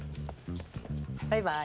バイバーイ。